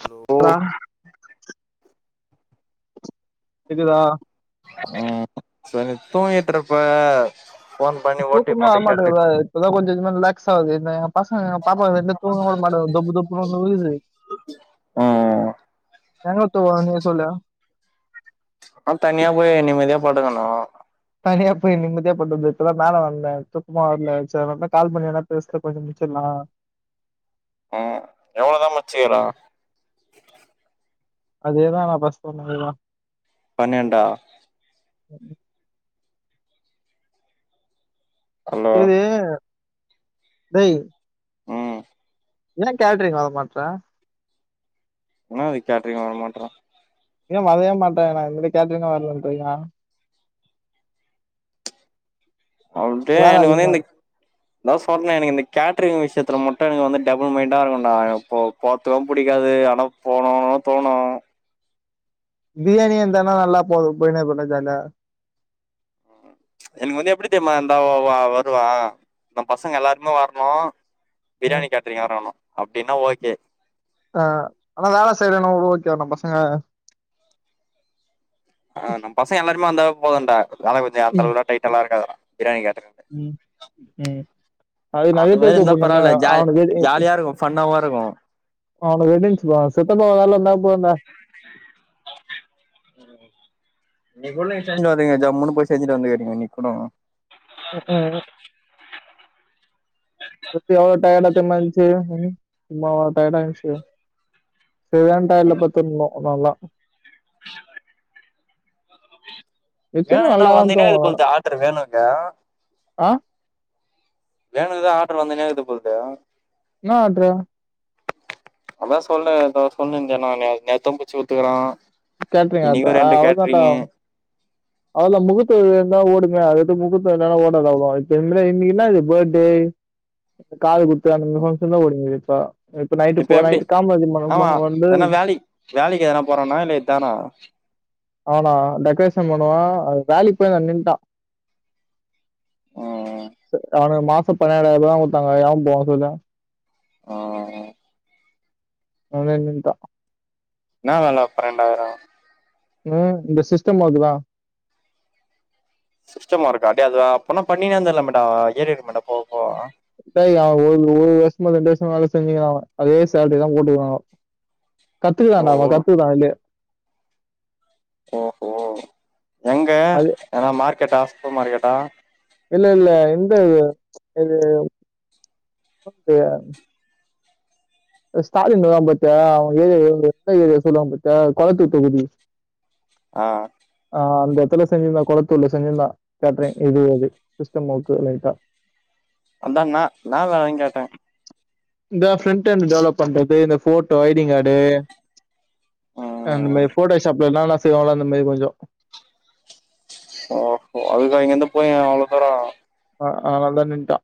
Hello டா கேக்குதா ம் சேரி தூங்கிட்டுருப்ப தூக்கமே வர மாட்டேதுப்ப இப்பதா கொஞ்ச கொஞ்ச ரிலாக்ஸ் ஆவுது இந்த எங்க பசங்க பாப்பா வந்து தூங்க உட மாட்டேது தொப் தொப் னு உழுவுது ம் எங்க தூங்க நீயே சொல்லு தனியா போய் நிம்மதியா படுக்கணு தனியா போய் நிம்மதியா [unintelligible] வந்த இப்பதா மேலே வந்த தூக்கமே வர்ல சேரி அதாலதா கால் பண்ணி எதா பேசிட்டு கொஞ்ச முச்சிட்லா ம் எவ்ளோதா மச்சி வரு அதேதா நா ஃபஸ்ட் சொன்னதேதா பன்னெண்டா ஹலோ இது டேய் ம் ஏ கேட்ரிங் வரமாட்ற இன்னாது கேட்ரிங் வரமாட்ற ஏ வரவே மாட்ற நா இனிமே கேட்ரிங்கே வர்லன்றீயா அப் டே வேல எனக்கு வந்து அதிகமா இந்த அதா சொன்னே எனக்கு இந்த கேட்ட்ரிங் விஷயத்துல மட்டு எனக்கு வந்து டபுள் மைண்டா இருக்குண்டா, எனக்கு போ போறத்துக்கு புடிக்காது ஆனா போனுனு தோணு பிரியாணியா இருந்தனா நல்லா போது போயினே இருக்குண்டா ஜாலியா எனக்கு வந்து எப்டி தெரிமா இருந்தா வ வ வருவ நம்ம பசங்க எல்லாருமே வரணு, ம் பிரியாணி கேட்டரிங் வரணு அப்டின்னா ஓகே ஆ, ஆனா வேல செய்யலனா கூட ஓகேவா நம்ம பசங்க ஆ, நம்ம பசங்க எல்லாருமே வந்தாவே போதுண்டா வேல கொஞ்சோ அந்த ம் அளவுலா டைட்டாலா இருக்காதுடா பிரியாணி கேட்டரிங் ம், ம் அதுக்கு அந்த நெறைய மாரி பேர் இருந்தா கூப்புட்னுமே பரவால்ல ஜாலி அவனுக்கு எது க்கு ஜாலியா இருக்கு ஃபன்னாவு இருக்கு அவனுக்கு இருந்ச்சுப்பா, சித்தப்பா வேல இருந்தா போயிருண்டா இன்னைக்குள்ள சேஞ்ச்சாவுதுங்க ஜம்முனு போய் செஞ்சிட்டு வந்துக்கிறிங்க இன்னைக்கி கூட ம்கும் திருப்பி எவ்ளோ டயர்டா தெரிமா இருந்துச்சு சும்மாவா டயர்ட் ஆயிடுச்சு செரியான டயர்ட்ல பாடுத்துருந்தோ நல்லா நிச்சயமா வேணுக்கு என்னா நல்லா தான் வந்துகினே தூங்குவோம். இருக்கு போலது ஆர்டர் வேணுக்கு ஆ வேணுக்குதா ஆர்டர் வந்துகினே இருக்குது போலதே என்ன ஆர்டரு அதா சொல்னு எதோ சொல்னுருந்தியேனா நே நேத்தும் புடிச்சு குடுத்துக்குறா கேட்டரிங் ஆர்டரா அவ்ளோதாண்டா அதெல்லா முகூர்த்த தேதியாருந்தா ஓடுமே அதது முகூர்த்த இல்லன்னா ஓடாது அவ்ளோவா இதோமேரி இன்னைக்கி என்னாது பர்த்டே காதுகுத்து அந்தமேரி ஃபங்க்ஷன்தா ஓடினுருக்குது இப்ப இப்ப நைட்டு போ நைட்டு காமராஜர் மண்டபமா வந்து வேலைக்கி எதனா போறானா இல்ல இதானா அவனா டெக்கரேஷன் பண்ணுவா, வேலைக்கி போயிருந்தா நின்னுட்டா ம் ச அவனுக்கு மாச பதினாராயிரூபாதா குடுத்தாங்க ஏ போவனு சொல்லு ம் அவனே நின்ட்டா என்னா வேல பன்னெண்டாயிரொ ம் இந்த சிஸ்டம் ஒர்க்குதா சிஸ்டம் ஓர்க்கா, டேய் அது அப்பனா பண்ணினே இருந்துற்லாமேடா ஏறிடுமேடா போவ போவ டேய், அவ ஒரு ஒரு வருஷமோ ரெண்டு வருஷமோ வேல செஞ்சிக்றா அவ அதே சேலரிதா போட்டுக்குறாங்க ஓ கத்துக்கலான்டா அவ ஒரு கத்துக்கலா அதுலயே ஓஹோ எங்க அது எதனா மார்க்கெட்டா சூப்பர் மார்க்கெட்டா இல்ல இல்ல இந்த இது இது இது ஸ்டாலின் வருவா பாத்தியா அவ ஏரியா ஒரு எந்த ஏரியா சொல்லுவா பாத்தியா கொளத்தூர் தொகுதி ஆ ஆ அந்த எடத்துல செஞ்சிருந்தா கொளத்தூர்ல செஞ்சிருந்தா கேட்டரிங் இது அது சிஸ்டம் ஒர்க்கு லைட்டா அதா னா என்னா வேலனு கேட்ட இந்தா ஃப்ரண்ட்ண்ட் டெவலப் பண்றது, இந்த போட்டோ ஐடி கார்டு அந்த ம் மேரி போட்டோஷாப்ல என்னான்ன செய்வாங்களோ அந்தமாரி கொஞ்சோ ஓஹோ அதுக்க இங்கிருந்து போய அவ்வள தூரோ ஆ ஆதனால்தா நின்ட்ட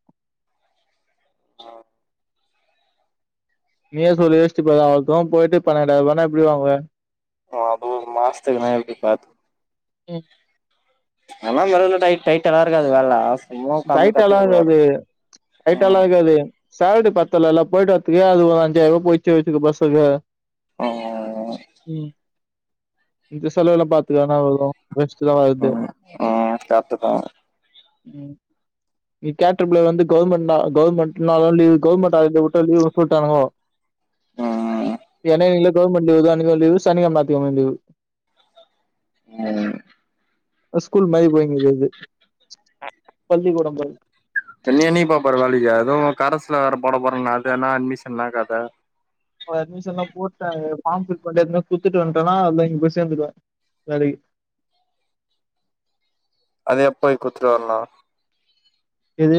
நீய சொல்லிச்சிட்டுப்ப அவள தும் போயிட்டு பன்னெண்டாயிர ரூபான எப்டி வாங்குவ ஆது மாஸ்த [unintelligible] பாத்தது ம் எல்லா [unintelligible] டைட்டலா இருக்காது வேலலா டைட்டாலா இக்காது டைட்டாலா ம் இக்காது சால்ரி பத்தலல போய்ட்டு வர்துக்கே அது ஒரு அஞ்சாயிர ரூ [unintelligible] பஷுக்கு ம் ம் இந்த செலவுலா பாத்துக்குவாங்க அவ்ளதா வச்டு தா வருது ம் ம் கரெக்ட்டுதா ம் நீ கேட்ருப்பல வந்து கவுர்மென்ட்னா கவுர்மெண்ட்னா லீவ் கவுர்மென்ட்டாய் [unintelligible] உட்டானுகோ ம் ஏன்னா இங்க கவுர்மென்ட் லீவு அன்னைக்கு லீவு சனிக்கெழம நாயுதுக்கெழம லீவு ம் ஸ்கூல் மாரி போயிங்குது இது பள்ளிக்கூடம் நீ என்னக்கிபா பரவாலியே அது கரஸ்ல வேற போட போறன்ன அது என்னா அட்மிஷன் என்னா கத அட்மிஷன்லா போட்டாங்க பாம் பில் பண்ணி [unintelligible] குத்துட்டு வன்டேனா [unintelligible] அங்க போய் சேந்துபே வேலக்கி அது எப் போய் குத்துட்டு வரனு எது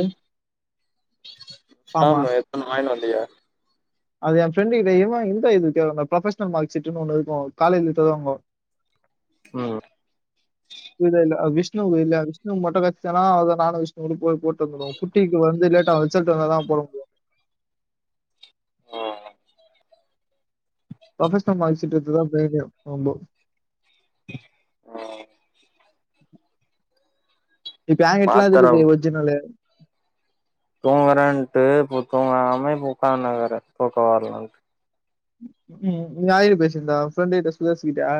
ஃபார்மா ஆமா எத்த ந வாயினுவல்லையா அது என் ப்ரெண்டு [unintelligible] இந்த இது ப்ரொபஷ்னல் மார்க் சீட்டுனு ஒன்னு இருக்கு காலேஜ்ல தருவாங்கொ ம் இது இல்ல அ விஷ்ணு இல்ல விஷ்ணு மொட்ட காட்சிச்சலா அத நானு விஷ்ணுக்கு போயி போட்டு வந்துடுவோ குட்டிக்கு வந்து லேட்டா ரிசல்ட் வந்ததா போட முடியு ஓ ப்ரொபஷ்னல் மார்க்சீட் எடுத்துதா பே பே போம் போ ஆ இப்ப ஏங்கெட்டலா மாத்தர இதுக்குது ஒர்ஜுனலு தூங்குறேன்ட்டு இப்பொ தூங்காம இப்ப உக்காந்துன்குறே தூக்க வரலனு ம் நீ யாரிட பேசிருந்த ப்ரெண்டுகிட்ட சுரேஷ் கிட்டயா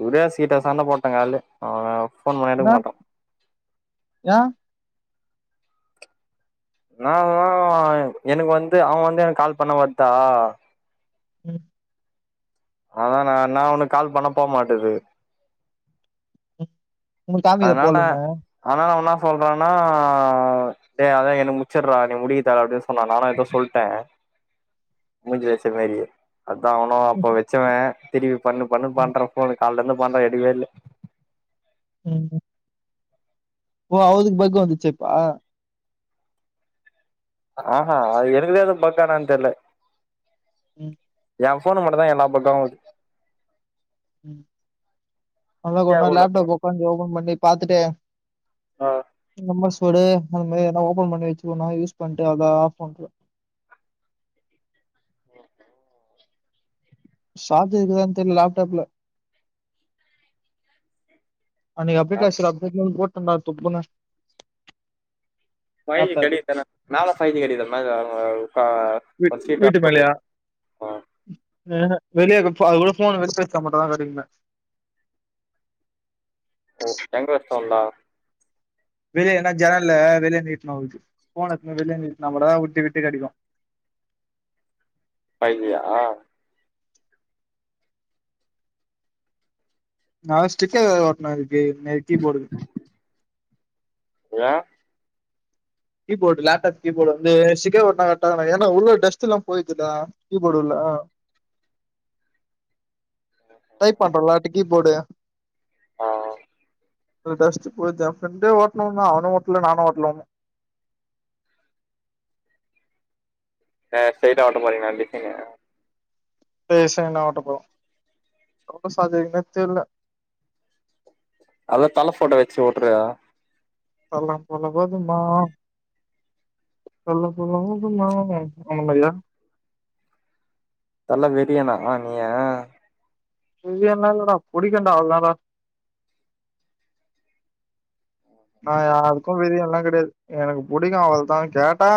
சுரேஷ் கிட்ட சண்ட போட்டே கால்லே அவ போன் பண்ண எடுக்க மாட்டா அ [unintelligible] எனக்கு வந்து அவ வந்து எனக்கு கால் பண்ணா வர்தா ம் அதா ந நா உனுக்கு கால் பண்ணா போ மாட்டது உனக்கு காமிக்கல அதனால போலன்னு. அதனால ஒன்னா சொல்றன்னா ஏ அதா எனக்கு முச்சிடுறா நீ முடிக்க தேவல்ல அப்படின்னு சொன்னா நானு ஏதோ சொல்ட்டே முஞ்ச வச்ச மாரியே அதா அவனு அப்ப வச்சவே திருப்பி பண்ணு பண்ணு ம். பண்ற போனு கால இருந்து பண்ற எடுக்கவே இல்ல ம் ஓதுக்கு பக் வந்துச்சேப்பா ஆஹா அது எனக்குதே ஏத பக்கான அ தெல்ல ம் எ போன் மட்டுந்தா எல்லா பக்குமு ம் நமக்கு பிஸியாக ஒருநாள் உள்ள லேப்டாப் ஒக்காந்து ஓபன் பண்ணி பாத்துட்டே ஆ எம் எஸ் வேடு அது மாரி எதனா ஓப்பன் பண்ணி வச்சிக்கணு யூஸ் பண்ட்டு அத ஆஃப் பண்ட்டு சார்ஜ் இருக்குதானு தெர்ல லேப்டாப்ல அன்னக்கி அப்டேட் ஆச்சுல அப்டே தூக்கி போட்டண்ணா [unintelligible] ஃபைவ் ஜி கெடைக்கி தான மேல ஃபைவ் ஜி கெடைக்குது மேல ஆ க ஃபஸ்ட்டே டாப் போட்டே ஆ வேற வெளிய க போ அது கூட ஃபோன [unintelligible] மட்டுந்தா கேட்டிருந்தே ஓ எங்க வச்சிட்டு வந்தா வெளிய எங்னா ஜன்னல்ல வெளிய நீட்னு அதுக்கு ஃபோன எத்துன் போயி வெளிய நீட்னா மட்டுந்தா விட்டு விட்டு கெடைக்கு ஃபைவ் ஜியா நா வேற ஸ்ட்ரிக்கர் வேற ஓட்னு அதுக்கு மே கீபோர்டுக் ஏன் கீபோடு லேப்டாப் கீபோடு வந்து ஸ்டிக்கர் ஓட்னா [unintelligible] ஏனா உள்ள டஸ்ட்லா போயிடுதுடா கீபோடு உள்ள டைப் பண்றோல அந்த கீபோடு ஆ டஸ்ட்டு போயிட்து ஏ ஃப்ரண்டே ஓட்ணுனா அவனு ஒட்ல நானு ஒட்ல இன்னு அ ஸ்டைட்டா ஒட்ட போறீங்ளா டிசைனு பே சேந்தா ஒட்ட போறோ ஆஃபீஸ் அது எங்கன் தெர்ல அத தல ஃபோட்டோ வச்சு ஒட்றியா தல போல வருமா தல போல வருமா அந்த மரியா தல வெறியானா நீங்க வெறியன்லா இல்லடா புடிக்கு டா அவ்ளதா டா நா யாருக்கு வெறியன்லா கெடையாது எனக்கு புடிக்கு அவ்ளதா கேட்டா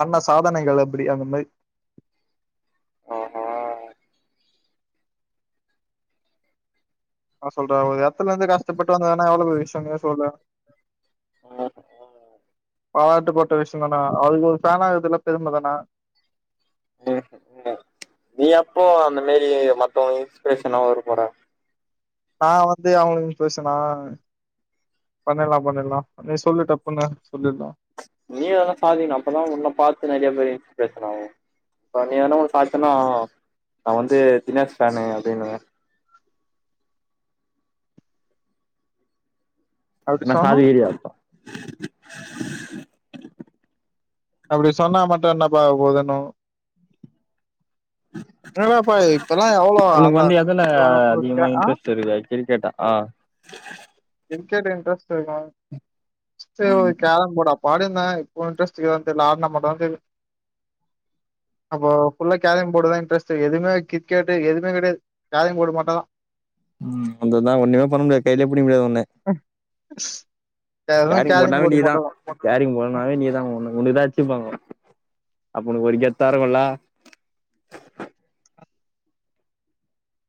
பண்ண சாதனைகள் அப்டி அது மேரி ஆஹா ன்னா சொல்றே ஒரு எத்துலேந்து கஷ்டப்பட்டு வந்ததுன்னா எவ்ளோ பெரிய விஷ்யோ நீயே சொல்லு பாராட்ட பட்ட விஷ்யோ தானா அவருக்கு ஒரு ஃபேனா இருக்கதுலா பெரும தானா ம் ம் நீ எப்போ அந்த மேரி மத்தவ இன்ஸ்பிரேஷனா வர போற நா வந்து அவுங்களுக் இன்ஸ்பிரேஷனா பண்ணிட்லா பண்ணிட்லா நீ சொல்லு டப்புன்னு சொல்லிட்லா நீயு எதனா சாதிக்கணு அப்பதா உன்ன பாத்து நறைய பேரு இன்ஸ்பேரஷேன் ஆவு இப்ப நீ எதனா ஒன்னு சாதிச்சனா நா வந்து தினேஷ் ஃபேனுு அப்டின்னுவே அப்டி என்ன சொன்னா சாதிக்கிறியா அப்டி சொன்னா மட்டு என்னப்பா ஆவ போதுன்னு என்னடா ப்பா இப்பல்லா எவ்ளோ உனக்கு வந்து எதுல அதிகமா [inaudible] ஆ இன்ட்ரெஸ்ட் இருக்கு கிரிக்கெட்டா ஆ கிரிக்கெட் இன்ட்ரெஸ்ட் அதிகோ நெக்ஸ்ட்டு ம் கேரம் போர்ட் அப் ப ஆடிந்தே இப்ப இன்ட்ரெஸ்ட் இருக்காதுன் தெர்ல ஆடுனா மட்டுந்தா தெரியு அப்ப ஃபுல்லா கேரெம் போர்டு தா இன்ட்ரெஸ்ட் எதுமே கிரிக்கெட்டு எதுமே கெடையாது கேரெம் போர்டு மட்டுந்தா ம் அந்த தா ஒன்னுமே பண்ண முடியாது கைலே புடிக்க முடியாது ஒன்ன டெய்லி கேரிங் கேலிங் போட்டாவே போர்டு நீதா மட்டுந்தா கேரிங் போடுனாவே நீதா [unintelligible] ஒ ஒன்னுதா வச்சுப்பாங்க அப்ப ஒக்கு ஒரு கெத்தாருக்குல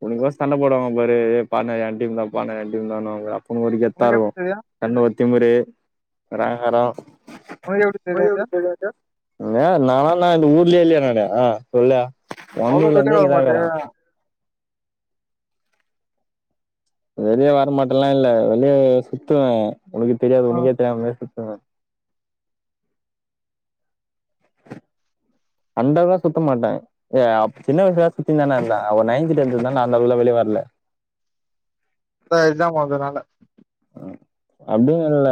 உனக்கு வேற சண்ட போடுவாங்க பாரு ஏ பா நா ஏ டீம் தான்பா ஏ டீம் தா னுவாங்களே அப்ப ஒரு உனக்கு கெத்தாருக்கு எப்படி தெரியும் கண்ணுல ஒரு திமிரு ஒரு ஆங்காரோ உனக்கு எப்படி தெரியாது ஏ நானா நா இந்த ஊர்லே இல்லயே நானு ஆ சொல்லு அவ்வளவு வெளியே பொறந்ததுலேந்தே வர இங்கதா க்குறே மாட்டேன் வெளிய வரமாட்டல்லா இல்ல வெளிய சுத்துவ உனக்கு தெரியாது உனக்கே தெரியாம வெளிய சுத்துவ அண்டகா சுத்த மாட்ட யப் சின்ன வயசுல சுத்தி தானந்த அவ நைன்த் டென்த் தா அந்தளவுல வெளிய வரல த எக்சாம் வந்தனால அப்டின்னு இல்ல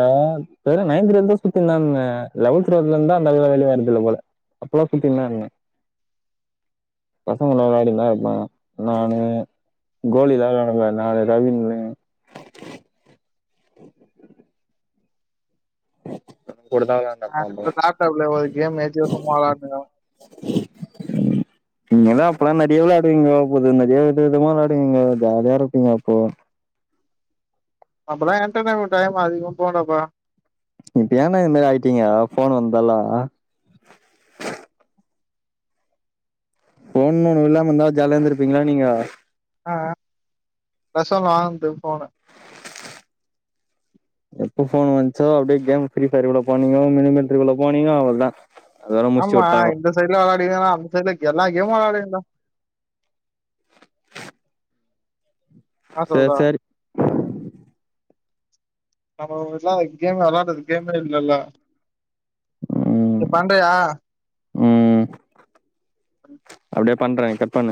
வெறு நைன்த்து டென்த்தே சுத்தினு தா இந்த லெவல்த் டுவல்த்ல இந்தா அந்தளவுல வெளிவரதுல்ல போல அப்பல்லா [unintelligible] இல்ல பசங்கூட விளையாடினு தா இருந்த நானு கோலிலா விளாடுவ நாங்க தா வின்னு கொடுத்தானா அ ந லப்டாப்ல ஒரு கேம் ஏத்தி சும்மா விளாடுவோ நீங்கதா அப்பெல்லா நறைய விளாடுவீங்க புது நறையா வித விதமா விளையாடுவீங்க ஜாலியா இருப்பீங்க அப்போ அப்பனா என்டர்டைன்மெண்ட் டைம் அதிகோ போனப்பா இப்ப ஏன்னா இது மாரி ஆய்ட்டீங்க ஃபோன் வந்தாலா ஃபோன்னு ஒண்ணு இல்லாம இருந்தா ஜாலியா இருந்துருப்பீங்களா நீங்க ஆ பேசாம வாழ்ந்து போன எப்ப ஃபோன் வஞ்ச்சோ அப்டியே கேம் ஃப்ரீ பயர் குள்ள போனீயோ மினிமில்ட்ரிக்கு போனீயோ அவ்ளோதா அதோட முடிச்சு ஆமா வுட்டாங்க இந்த சைட்ல அல அடிங்கதுன்னா அந்த சைட்ல எல்லா கேமு வெளாடிந்தோ ஆ சேரி சொல்டா சேரி நம்ம வீட்லா கேம் வெளாடுறது கேமே இல்லல்ல ம் ம் அப்டிப் பண்றாய்ங்க கட் பண்ணு